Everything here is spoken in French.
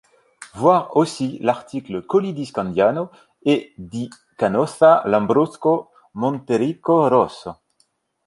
Voir aussi l’article Colli di Scandiano e di Canossa Lambrusco Montericco rosso.